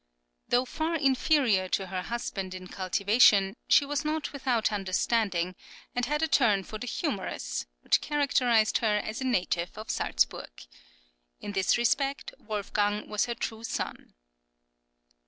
Though far inferior to her husband in cultivation, she was not without understanding, and had a turn for the humorous, which characterised her as a native of Salzburg. In this respect Wolfgang was her true son.